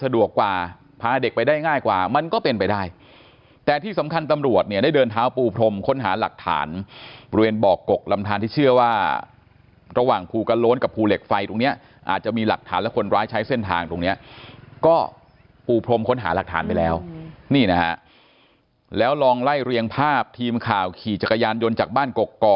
กว่าพาเด็กไปได้ง่ายกว่ามันก็เป็นไปได้แต่ที่สำคัญตำรวจเนี่ยได้เดินเท้าปูพรมค้นหาหลักฐานบริเวณบอกกกลำทานที่เชื่อว่าระหว่างภูกระโล้นกับภูเหล็กไฟตรงเนี้ยอาจจะมีหลักฐานและคนร้ายใช้เส้นทางตรงเนี้ยก็ปูพรมค้นหาหลักฐานไปแล้วนี่นะฮะแล้วลองไล่เรียงภาพทีมข่าวขี่จักรยานยนต์จากบ้านกก